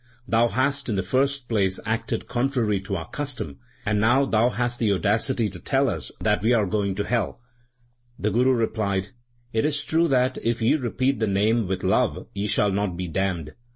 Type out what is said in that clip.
Thou hast in the first place acted contrary to our custom, and now thou hast the audacity to tell us that we are going to hell/ The Guru replied, * It is true that, if ye repeat the Name with love, ye shall not be damned.